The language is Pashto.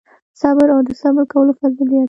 صبر او د صبر کولو فضیلت